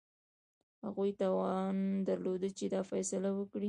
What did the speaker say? هغوی توان درلود چې دا فیصله وکړي.